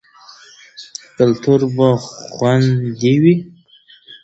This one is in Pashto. کلتور به خوندي وي.